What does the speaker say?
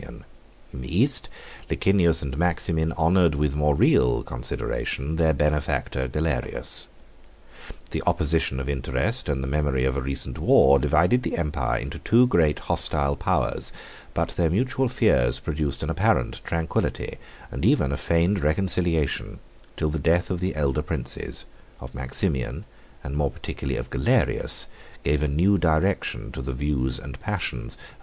In the East, Licinius and Maximin honored with more real consideration their benefactor Galerius. The opposition of interest, and the memory of a recent war, divided the empire into two great hostile powers; but their mutual fears produced an apparent tranquillity, and even a feigned reconciliation, till the death of the elder princes, of Maximian, and more particularly of Galerius, gave a new direction to the views and passions of their surviving associates.